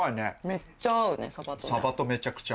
めっちゃ合うねサバ。